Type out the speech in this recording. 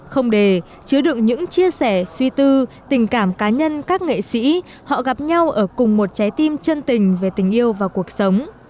không đề chứa đựng những chia sẻ suy tư tình cảm cá nhân các nghệ sĩ họ gặp nhau ở cùng một trái tim chân tình về tình yêu và cuộc sống